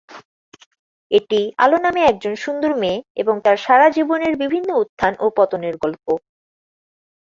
এটি আলো নামের একজন সুন্দর মেয়ে এবং তার সারা জীবনের বিভিন্ন উত্থান ও পতনের গল্প।